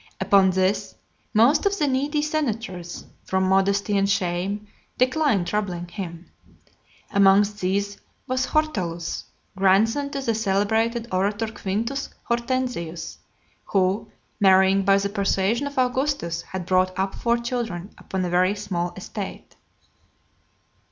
Upon this, most of the needy senators, from modesty and shame, declined troubling him. Amongst these was Hortalus, grandson to the celebrated orator Quintus Hortensius, who [marrying], by the persuasion of Augustus, had brought up four children upon a very small estate.